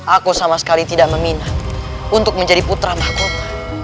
aku sama sekali tidak meminang untuk menjadi putra mahkota